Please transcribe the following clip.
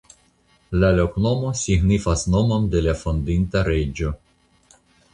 La loknomo signifas nomon de la fondinta reĝo.